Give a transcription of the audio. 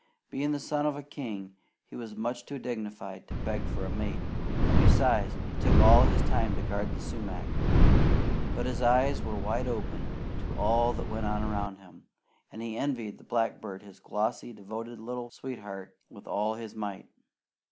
Being the son of a king, he was much too dignified to beg for a mate, and besides, it took all his time to guard the sumac; but his eyes were wide open to all that went on around him, and he envied the blackbird his glossy, devoted little sweetheart, with all his might.